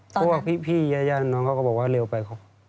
เพราะว่าพี่ยาน้องเขาก็บอกว่าเร็วไป